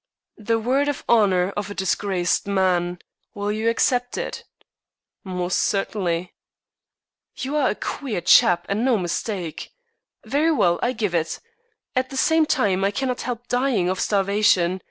"The word of honor of a disgraced man! Will you accept it?" "Most certainly." "You are a queer chap, and no mistake. Very well, I give it. At the same time, I cannot help dying of starvation.